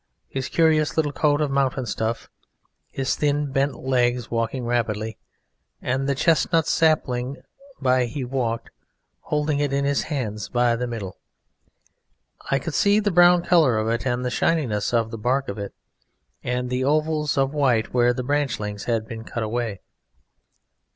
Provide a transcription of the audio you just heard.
His curious little coat of mountain stuff, his thin, bent legs walking rapidly, and the chestnut sapling by he walked, holding it in his hand by the middle. I could see the brown colour of it, and the shininess of the bark of it, and the ovals of white where the branchlings had been cut away.